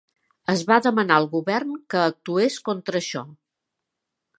Es va demanar al govern que actués contra això.